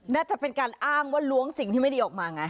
น่าจะเป็นการอ้างว่าล้วงสิ่งที่ไม่ดีออกมาไง